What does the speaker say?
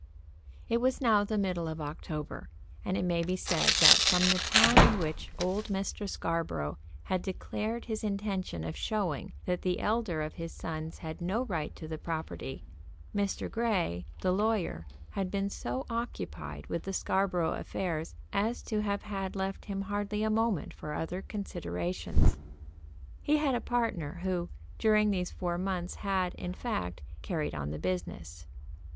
It was now the middle of October, and it may be said that from the time in which old Mr. Scarborough had declared his intention of showing that the elder of his sons had no right to the property, Mr. Grey, the lawyer, had been so occupied with the Scarborough affairs as to have had left him hardly a moment for other considerations. He had a partner, who during these four months had, in fact, carried on the business.